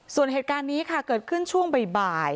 ส่วนเหตุการณ์นี้ค่ะเกิดขึ้นช่วงบ่าย